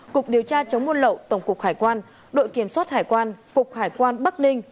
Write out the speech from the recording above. cục điều tra chống buôn lậu tổng cục hải quan đội kiểm soát hải quan cục hải quan bắc ninh